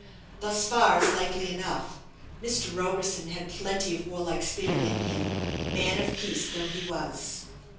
Thus far is likely enough. Mr. Roberson had plenty of warlike spirit in him, man of peace though he was.